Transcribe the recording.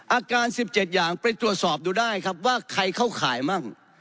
อาการ๑๗อย่างไปตรวจสอบดูได้ครับว่าใครเข้าข่ายมั่ง